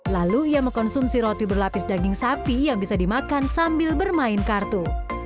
lalu ia mengkonsumsi roti berlapis daging sapi yang bisa dimakan sambil bermain kartu